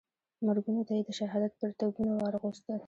مرګونو ته یې د شهادت پرتګونه وراغوستل.